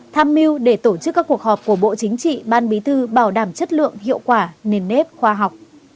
tham mưu để tổ chức các cuộc họp của bộ chính trị ban bí thư bảo đảm chất lượng hiệu quả nền nếp khoa học